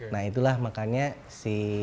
nah itulah makanya si